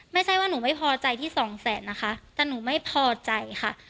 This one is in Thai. ไม่ใช่ว่าหนูไม่พอใจที่สองแสนนะคะแต่หนูไม่พอใจค่ะ